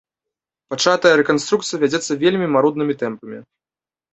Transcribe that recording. Пачатая рэканструкцыя вядзецца вельмі маруднымі тэмпамі.